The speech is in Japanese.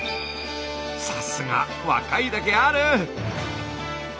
さすが若いだけある！